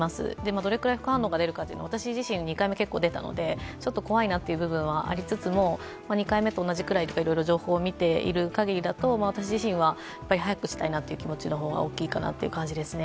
どれくらい副反応が出るかというのは、私自身２回目に結構出たのでちょっと怖いなと思いつつ、２回目と同じくらいいろいろ情報を見ているかぎりだと私自身は早くしたいなという気持ちの方が大きい感じですね。